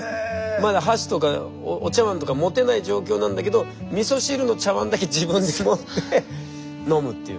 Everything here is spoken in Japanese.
まだ箸とかお茶わんとか持てない状況なんだけどみそ汁の茶わんだけ自分で持って飲むっていう。